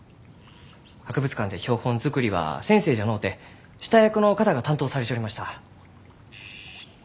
博物館で標本作りは先生じゃのうて下役の方が担当されちょりました。